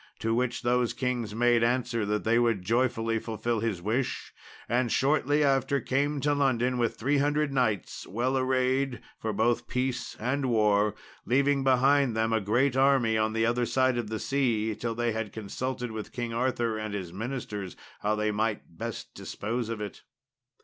To which those kings made answer that they would joyfully fulfil his wish, and shortly after came to London with 300 knights, well arrayed for both peace and war, leaving behind them a great army on the other side of the sea till they had consulted with King Arthur and his ministers how they might best dispose of it.